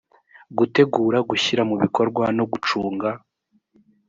gutegura gushyira mu bikorwa no gucunga